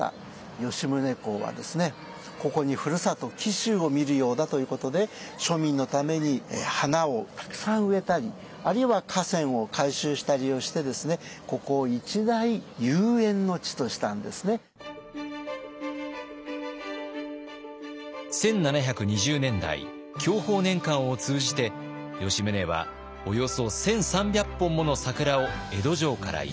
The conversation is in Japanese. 吉宗公はここにふるさと紀州を見るようだということで庶民のために花をたくさん植えたりあるいは河川を改修したりをしてですね１７２０年代享保年間を通じて吉宗はおよそ１，３００本もの桜を江戸城から移植。